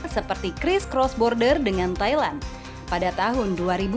seperti chris cross border dengan thailand pada tahun dua ribu dua